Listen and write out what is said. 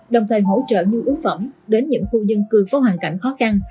đồng thời hỗ trợ nhu yếu phẩm đến những khu dân cư có hoàn cảnh khó khăn